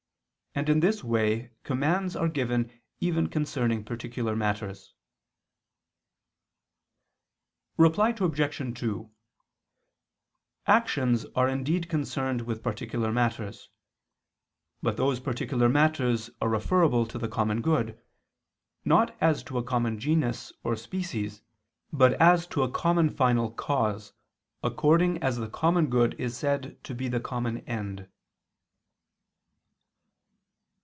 And in this way commands are given even concerning particular matters. Reply Obj. 2: Actions are indeed concerned with particular matters: but those particular matters are referable to the common good, not as to a common genus or species, but as to a common final cause, according as the common good is said to be the common end.